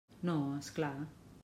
No, és clar.